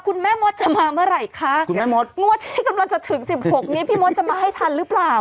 คุณแม่มดจะมาเมื่อไหร่คะมดที่กำลังจะถึง๑๖นี้พี่มดจะมาให้ทันหรือเปล่า